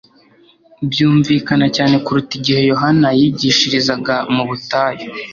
byumvikana cyane kuruta igihe Yohana yigishirizaga mu butayu.